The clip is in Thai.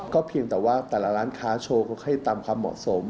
เพียงแต่ว่าแต่ละร้านค้าโชว์ก็ให้ตามความเหมาะสม